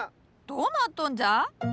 どうなっとんじゃ？